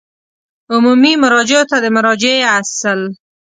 عمومي مراجعو ته د مراجعې اصل